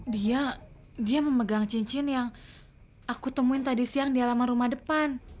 dia dia memegang cincin yang aku temuin tadi siang di halaman rumah depan